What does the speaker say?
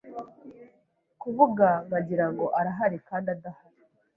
kuvuga nkagirango arahari kandi adahari